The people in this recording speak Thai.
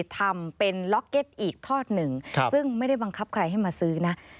ทำเป็นล็อกเก็ตอีกทอดหนึ่งซึ่งไม่ได้บังคับใครให้มาซื้อนะ